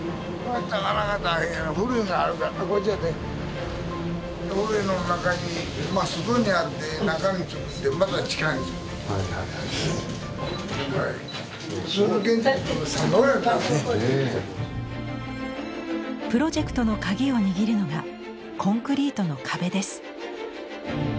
やっぱりプロジェクトの鍵を握るのがコンクリートの壁です。